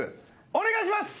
お願いします。